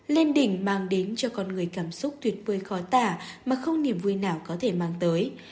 lên đỉnh mang đến cho con người cảm xúc tuyệt vời khó tả mà không niềm vui nào có thể mang tới